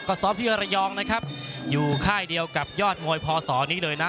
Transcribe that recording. ก็ซ้อมที่ระยองนะครับอยู่ค่ายเดียวกับยอดมวยพศนี้เลยนะ